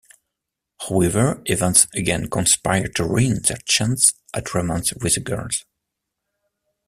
However, events again conspire to ruin their chance at romance with the girls.